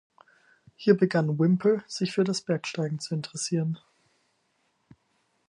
Hier begann Whymper sich für das Bergsteigen zu interessieren.